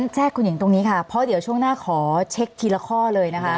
แจ้งคุณหญิงตรงนี้ค่ะเพราะเดี๋ยวช่วงหน้าขอเช็คทีละข้อเลยนะคะ